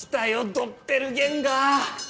ドッペルゲンガー。